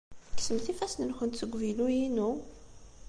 Kksemt ifassen-nkent seg uvilu-inu!